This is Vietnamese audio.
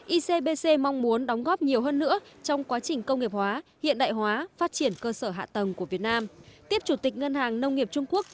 icbc mong muốn đóng góp nhiều hơn nữa trong quá trình công tác